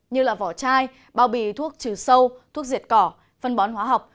như vỏ chai bao bì thuốc trừ sâu thuốc diệt cỏ phân bón hóa học